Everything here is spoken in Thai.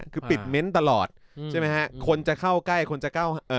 คือปิดเม้นต์ตลอดใช่ไหมฮะคนจะเข้าใกล้คนจะเข้าเอ่อ